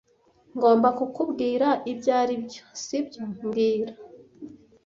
ngomba kukubwira ibyo aribyo, sibyo mbwira